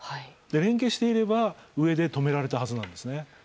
連携していれば、上で止められたはずなんですね。